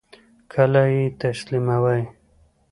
کله یی تسلیموئ؟